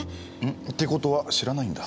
ってことは知らないんだ？